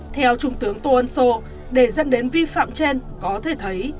theo trung tướng tô ân sô để dẫn đến vi phạm trên có thể thấy